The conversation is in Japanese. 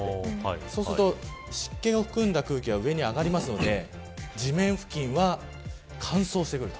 そうすると湿気を含んだ空気が上に上がるので地面付近は乾燥してくる。